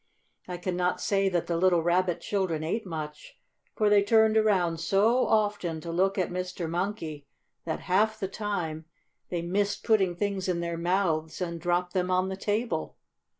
I can not say that the little Rabbit children ate much, for they turned around so often to look at Mr. Monkey, that, half the time, they missed putting things in their mouths and dropped them on the table.